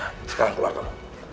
sekarang keluar kamu